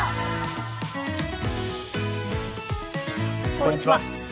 こんにちは。